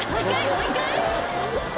もう一回？